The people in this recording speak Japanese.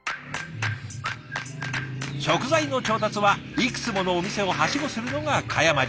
食材の調達はいくつものお店をはしごするのが嘉山流。